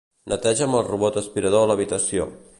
Neteja amb el robot aspirador l'habitació.